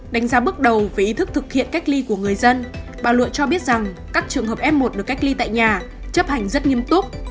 đánh giá bước đầu về ý thức thực hiện cách ly của người dân bà lụa cho biết rằng các trường hợp f một được cách ly tại nhà chấp hành rất nghiêm túc